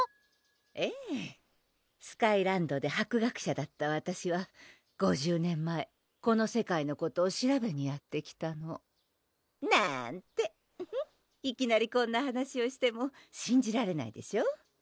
ええスカイランドで博学者だったわたしは５０年前この世界のことを調べにやって来たのなんていきなりこんな話をしてもしんじられないでしょう？